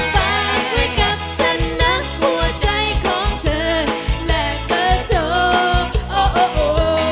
ฝากไว้กับฉันนะหัวใจของเธอและโปรโทโอโอโอ